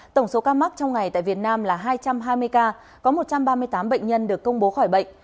tổng số ca mắc trong ngày tại việt nam là hai trăm hai mươi ca có một trăm ba mươi tám bệnh nhân được công bố khỏi bệnh